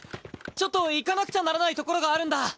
ちょっと行かなくちゃならない所があるんだ。